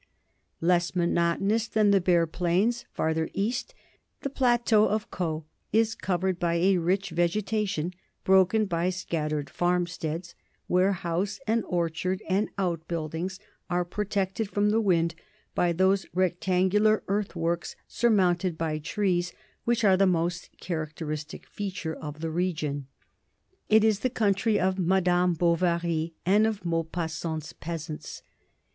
Less monotonous than the bare plains farther east, the plateau of Caux is covered by a rich vegetation, broken by scattered farmsteads, where house and orchard and outbuildings are pro tected from the wind by those rectangular earthworks surmounted by trees which are the most characteristic feature of the region. It is the country of Madame Bo vary and of Maupassant's peasants.